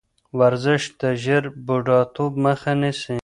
ورزش د ژر بوډاتوب مخه نیسي.